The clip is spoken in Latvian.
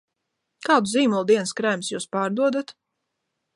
Kādu zīmolu dienas krēmus jūs pārdodat?